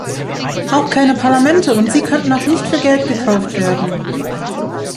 Auch keine Parlamente und sie können auch nicht für Geld gekauft werden.